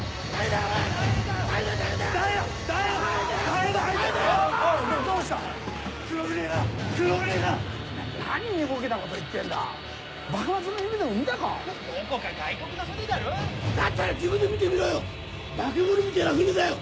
だったら自分で見てみろよ！